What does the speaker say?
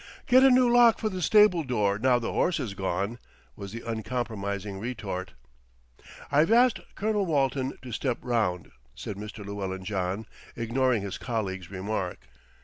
"Get a new lock for the stable door now the horse is gone," was the uncompromising retort. "I've asked Colonel Walton to step round," said Mr. Llewellyn John, ignoring his colleague's remark.